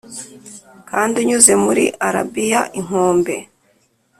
kandi unyuze muri arabiya inkombe